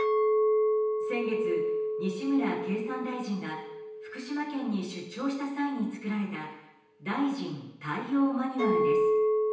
先月、西村経産大臣が福島県に出張した際に作られた大臣対応マニュアルです。